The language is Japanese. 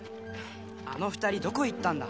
あの２人どこ行ったんだ？